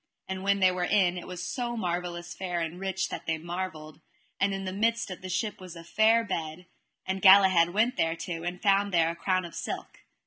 And when they were in, it was so marvellous fair and rich that they marvelled; and in midst of the ship was a fair bed, and Galahad went thereto, and found there a crown of silk.